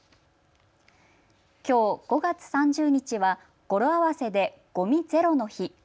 きょう５月３０日は語呂合わせでごみゼロの日。